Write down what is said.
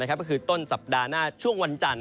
ก็คือต้นสัปดาห์หน้าช่วงวันจันทร์